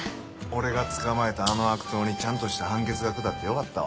俺が捕まえたあの悪党にちゃんとした判決が下ってよかったわ。